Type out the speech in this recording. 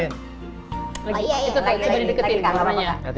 itu coba di deketin